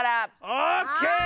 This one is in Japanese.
オッケー！